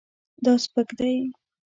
دا سپک دی